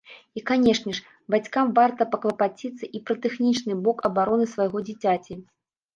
І канешне ж, бацькам варта паклапаціцца і пра тэхнічны бок абароны свайго дзіцяці.